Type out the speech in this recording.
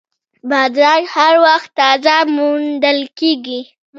بادرنګ هر وخت تازه موندل کېږي.